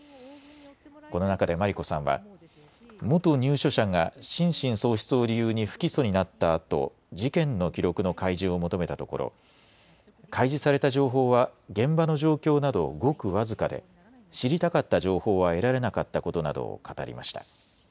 この中で真理子さんは元入所者が心神喪失を理由に不起訴になったあと事件の記録の開示を求めたところ開示された情報は現場の状況などごく僅かで知りたかった情報は得られなかったことなどを語りました。